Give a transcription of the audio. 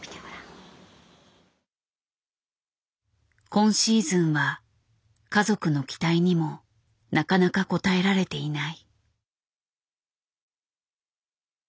今シーズンは家族の期待にもなかなか応えられていない。